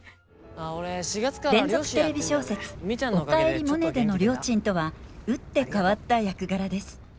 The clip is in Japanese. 連続テレビ小説「おかえりモネ」でのりょーちんとは打って変わった役柄です。